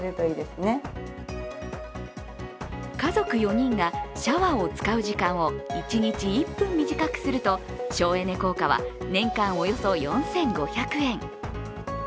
家族４人がシャワーを使う時間を一日１分短くすると省エネ効果は年間およそ４５００円。